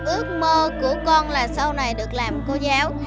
ước mơ của con là sau này được làm cô giáo